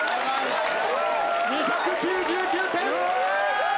２９９点。